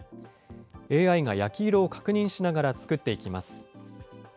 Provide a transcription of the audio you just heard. ＡＩが焼き色を確認しながら作っていきます。